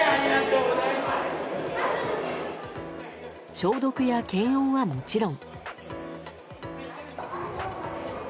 消毒や検温はもちろん。